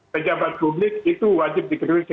pejabat publik itu wajib dikritisi